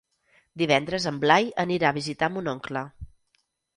Divendres en Blai anirà a visitar mon oncle.